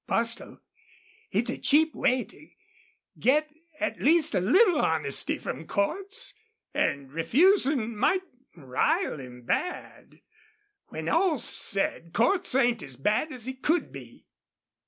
Bostil, it's a cheap way to get at least a little honesty from Cordts. An' refusin' might rile him bad. When all's said Cordts ain't as bad as he could be."